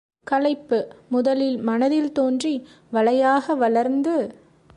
களைப்பு முதலில் மனதில் தோன்றி வலையாக வளர்ந்து.